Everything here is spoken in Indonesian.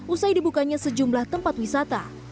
usai dibukanya sejumlah tempat wisata